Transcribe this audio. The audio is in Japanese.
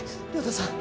亮太さん！